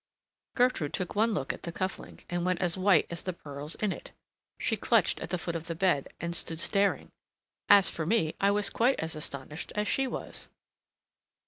Gertrude took one look at the cuff link, and went as white as the pearls in it; she clutched at the foot of the bed, and stood staring. As for me, I was quite as astonished as she was.